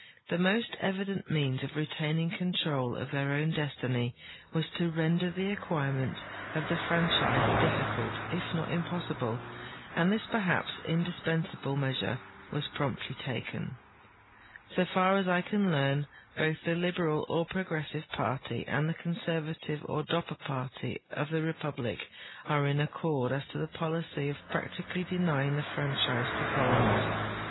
The most evident means of retaining control of their own destiny was to render the acquirement of the franchise difficult if not impossible, and this perhaps indispensable measure was promptly taken. So far as I can learn, both the liberal or progressive party and the conservative or Dopper party of the republic are in accord as to the polic}'' of practically denying the franchise to foreigners.